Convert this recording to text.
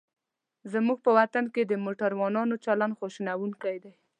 زموږ په وطن کې د موټروانانو چلند خواشینوونکی دی.